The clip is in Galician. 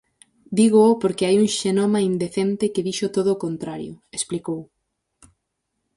"Dígoo porque hai un xenoma indecente que dixo todo o contrario", explicou.